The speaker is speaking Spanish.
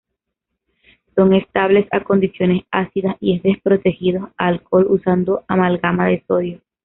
Son estables a condiciones ácidas, y es desprotegido a alcohol usando amalgama de sodio.